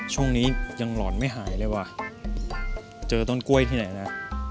ช่วงนี้ยังหลอนไม่หายเลยว่ะเจอต้นกล้วยที่ไหนนะ